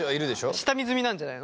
下見済みなんじゃないの？